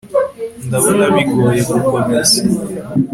Ndabona bigoye gukomeza